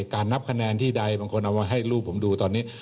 นับคะแนนที่ใดบางคนเอามาให้ลูกผมดูตอนนี้